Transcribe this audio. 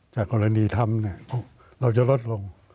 จากกรณีธรรมเราจะลดลง